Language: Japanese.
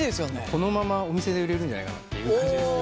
このままお店で売れるんじゃないかなっていう感じです。